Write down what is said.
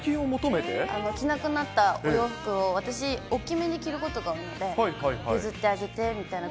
着なくなったお洋服を、私、大きめに着ることが多いので譲ってあげてみたいな。